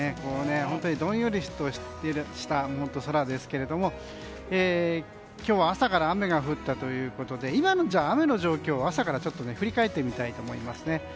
どんよりとした空ですが今日は朝から雨が降ったということで今の雨の状況を朝から振り返ってみたいと思います。